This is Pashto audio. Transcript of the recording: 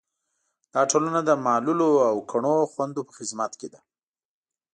دا ټولنه د معلولو او کڼو خویندو په خدمت کې ده.